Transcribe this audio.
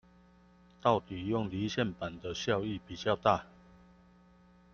到底用離線版的效益比較大